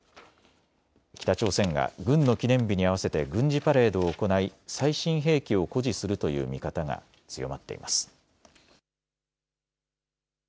北朝鮮が軍の記念日に合わせて軍事パレードを行い最新兵器を誇示するという見方が強まっています。